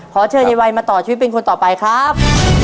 ขอเชิญยายวัยมาต่อชีวิตเป็นคนต่อไปครับ